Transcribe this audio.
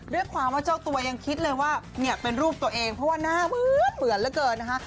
ด้วยความว่าเจ้าตัวยังคิดเลยว่าเนี่ยเป็นรูปตัวเองเพราะว่าหน้าเหมือนเหลือเกินนะคะ